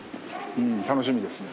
楽しみですね。